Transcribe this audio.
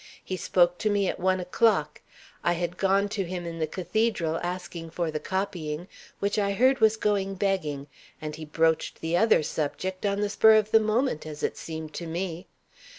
He spoke to me at one o'clock. I had gone to him to the cathedral, asking for the copying, which I heard was going begging, and he broached the other subject, on the spur of the moment, as it seemed to me.